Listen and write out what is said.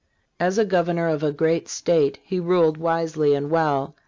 As a Governor of a great State, he ruled wisely and well.